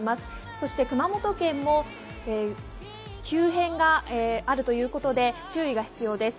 そして熊本県も急変があるということで注意が必要です。